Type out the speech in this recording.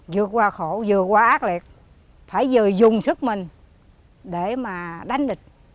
vượt qua khổ vừa qua ác liệt phải vừa dùng sức mình để mà đánh địch